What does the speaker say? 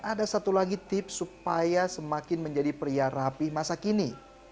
ada satu lagi tips supaya semakin menjadi pria rapi masa kini